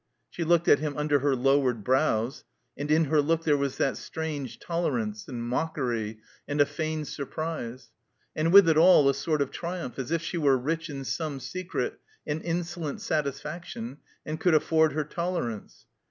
She looked at him under her lowered brows; and in her look there was that strange tolerance, and mockery, and a feigned surprise. And with it all a sort of triumph, as if she were rich in some secret and insolent satisfaction and could afford her tolerance.